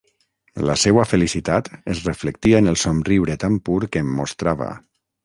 La seua felicitat es reflectia en el somriure tan pur que em mostrava.